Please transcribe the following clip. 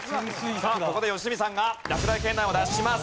さあここで良純さんが落第圏内を脱します。